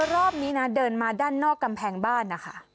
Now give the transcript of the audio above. รอบนี้นะเดินมาด้านนอกกำแพงบ้านนะคะ